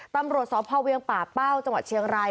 ตำรวจสพเวียงป่าเป้าจังหวัดเชียงราย